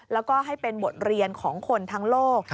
แล้วก็ให้เป็นบทเรียนของคนทั้งโลก